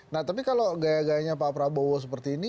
nah tapi kalau gaya gayanya pak prabowo seperti ini